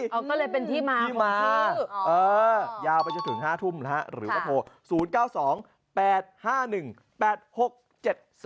ก็เลยเป็นที่มาที่มายาวไปถึง๕ทุ่มหรือว่าโทร